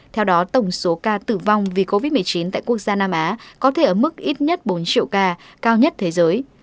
theo đó tổng số ca tử vong vì covid một mươi chín tại quốc gia nam á có thể ở mức ít nhất bốn triệu ca cao nhất thế giới